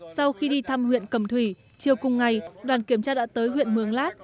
sau khi đi thăm huyện cầm thủy chiều cùng ngày đoàn kiểm tra đã tới huyện mường lát